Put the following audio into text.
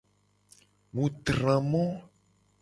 Mu tra mo.